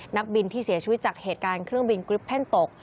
นักบินที่เสียชีวิตจากเหตุการณ์เครื่องบินกริปเพ่นตก